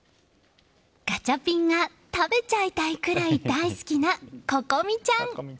ガチャピンが食べちゃいたいぐらい大好きな心美ちゃん。